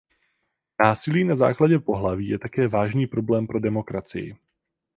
Násilí na základě pohlaví je také vážný problém pro demokracii.